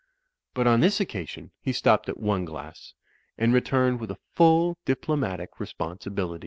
But on this occasion he stopped at one glass, and returned with a full diplo matic responsibility.